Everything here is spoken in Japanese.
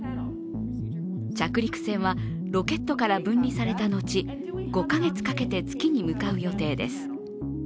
着陸船はロケットから分離された後、５か月かけて月に向かう予定です。